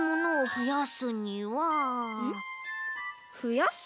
ふやす。